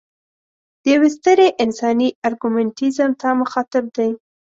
د یوې سترې انساني ارګومنټیزم ته مخاطب دی.